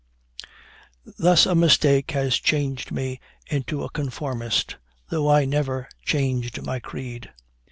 Thus a mistake has changed me into a conformist, though I never changed my creed.